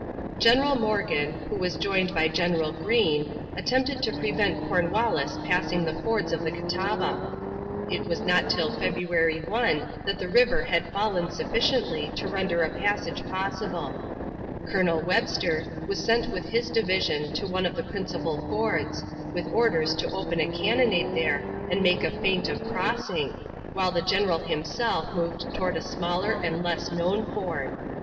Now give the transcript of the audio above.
General Morgan, who was joined by General Greene, attempted to prevent Cornwallis passing the fords of the Catawba. It was not till February 1 that the river had fallen sufficiently to render a passage possible. Colonel Webster was sent with his division to one of the principal fords, with orders to open a cannonade there and make a feint of crossing, while the general himself moved toward a smaller and less known ford.